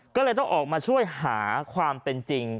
ก็เลยต้องออกมาช่วยหาความเป็นจริง